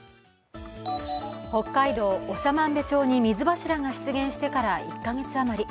北海道長万部町に水柱が出現してから１か月余り。